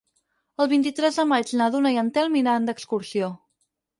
El vint-i-tres de maig na Duna i en Telm iran d'excursió.